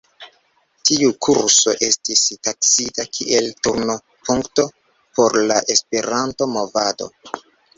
Tiu kurso estis taksita kiel turno-punkto por la Esperanto-movado.